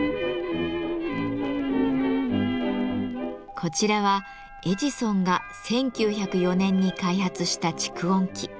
こちらはエジソンが１９０４年に開発した蓄音機。